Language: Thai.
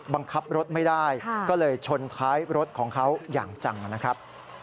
บังคับรถไม่ได้ก็เลยชนท้ายรถของเขาอย่างจังนะครับ